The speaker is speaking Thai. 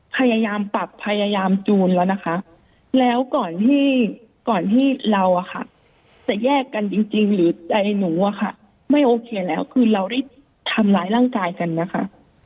พยายามปรับพยายามจูนแล้วนะคะแล้วก่อนที่ก่อนที่เราอะค่ะจะแยกกันจริงหรือใจหนูอะค่ะไม่โอเคแล้วคือเราได้ทำร้ายร่างกายกันนะคะ